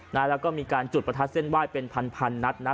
แล้วก็มีการจุดประทัดเส้นไหว้เป็นพันพันนัดนะ